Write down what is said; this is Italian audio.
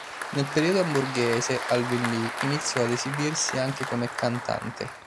Nel periodo amburghese, Alvin Lee iniziò ad esibirsi anche come cantante.